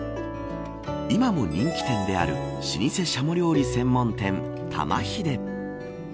今も人気店である老舗者しゃも料理専門店玉ひで。